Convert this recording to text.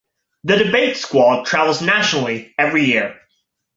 The debate squad travels nationally every year.